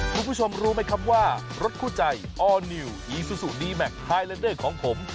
คุณผู้ชมรู้ไหมครับว่ารถคู่ใจออร์นิวอีซูซูดีแมคไฮเลนเดอร์ของผม